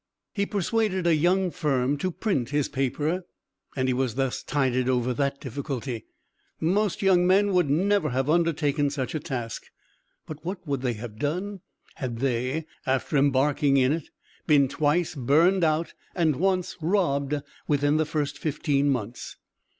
He persuaded a young firm to print his paper, and he was thus tided over that difficulty. Most young men would never have undertaken such a task, but what would they have done had they, after embarking in it, been twice burned out and once robbed within the first fifteen months?